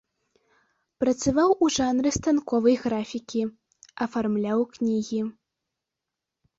Працаваў у жанры станковай графікі, афармляў кнігі.